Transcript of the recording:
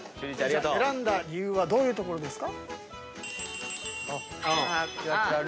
選んだ理由はどういうところですか？